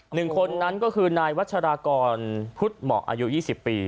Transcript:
หนึ่งคนนั้นก็คือนายวัชรากรพุทธเหมาะอายุ๒๐ปี